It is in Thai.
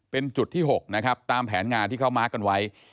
เป็นจุดที่๖นะครับตามแผนงานที่เขามาร์คกันไว้